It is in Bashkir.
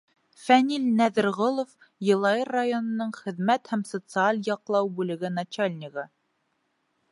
Фәнил НӘҘЕРҒОЛОВ, Йылайыр районының хеҙмәт һәм социаль яҡлау бүлеге начальнигы: